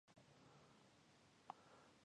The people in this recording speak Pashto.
د ارزګان په شهید حساس کې د فلورایټ نښې شته.